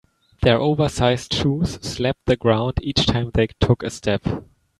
Their oversized shoes slapped the ground each time they took a step.